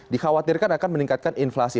dikhawatirkan akan meningkatkan inflasi